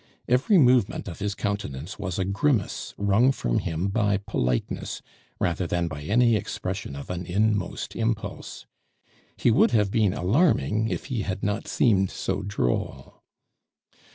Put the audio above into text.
Every movement of his countenance was a grimace wrung from him by politeness rather than by any expression of an inmost impulse. He would have been alarming if he had not seemed so droll.